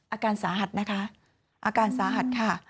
อาการสาหัสนะคะอาการสาหัสค่ะ